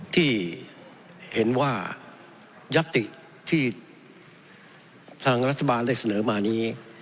ที่เห็นว่ายัตติที่ทางรัฐบาลได้เสนอมานี้